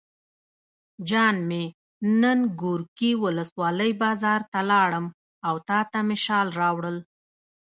جان مې نن ګورکي ولسوالۍ بازار ته لاړم او تاته مې شال راوړل.